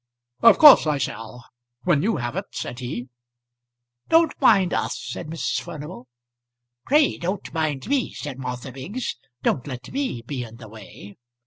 "Of course I shall, when you have it," said he. "Don't mind us," said Mrs. Furnival. "Pray don't mind me," said Martha Biggs. "Don't let me be in the way."